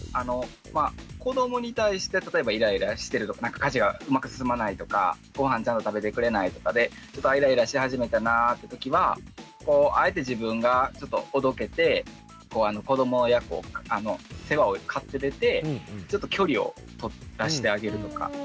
まあ子どもに対して例えばイライラしてるとかなんか家事がうまく進まないとかごはんをちゃんと食べてくれないとかでちょっとイライラし始めたなって時はあえて自分がちょっとおどけて子どもの世話を買って出てちょっと距離を取らしてあげるとか。